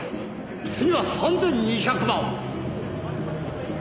「次は３２００万」